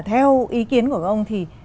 theo ý kiến của ông thì